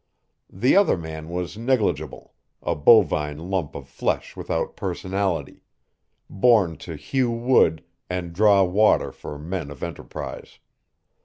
The other man was negligible a bovine lump of flesh without personality born to hew wood and draw water for men of enterprise.